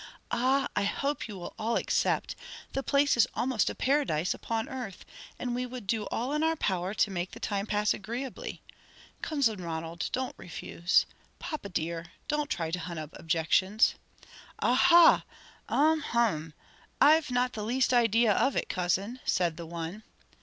"Ah, I hope you will all accept; the place is almost a paradise upon earth, and we would do all in our power to make the time pass agreeably. Cousin Ronald, don't refuse. Papa dear, don't try to hunt up objections." "Ah ha! um h'm! I've not the least idea of it, cousin," said the one.